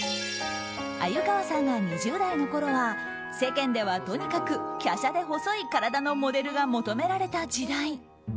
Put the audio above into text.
鮎河さんが２０代のころは世間ではとにかくきゃしゃで細い体のモデルが求められた時代。